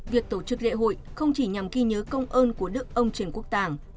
việc tổ chức lễ hội không chỉ nhằm ghi nhớ công ơn của đức ông trần quốc tàng